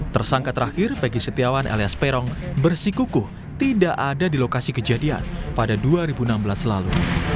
tersangka terakhir peggy setiawan alias peron bersikukuh tidak ada di lokasi kejadian pada dua ribu enam belas lalu